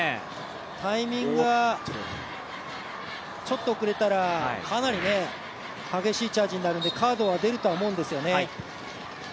タイミングがちょっと遅れたら、かなり激しいチャージになるのでカードは出るとは思うんですよね。